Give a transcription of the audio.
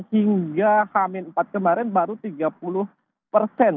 hingga hamin empat kemarin baru tiga puluh persen